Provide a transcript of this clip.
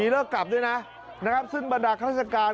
เริ่งกับด้วยนะนะครับซึ่งบรรดาพฤษฐกาล